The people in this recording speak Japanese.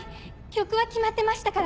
曲は決まってましたから。